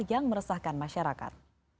yang meresahkan masyarakat